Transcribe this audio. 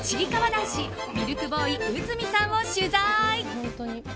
男子ミルクボーイ内海さんを取材！